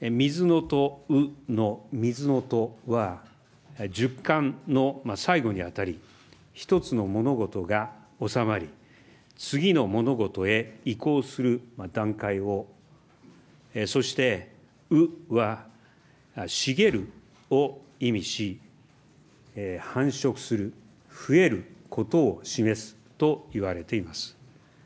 癸卯の癸は、十干の最後に当たり、一つの物事が収まり、次の物事へ移行する段階を、そして卯は茂を意味し、繁殖する、増えることを示すといわれています。